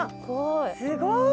すごい！